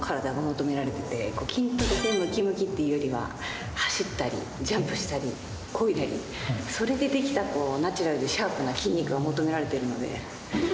筋トレでムキムキっていうよりは走ったりジャンプしたり漕いでそれで出来たナチュラルでシャープな筋肉が求められてるので。